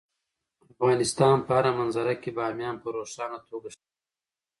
د افغانستان په هره منظره کې بامیان په روښانه توګه ښکاري.